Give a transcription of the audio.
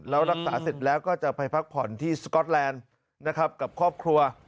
แล้วรักษาเสร็จแล้วก็จะไปพักผ่อนที่สก๊อตแลนด์นะครับกับครอบครัว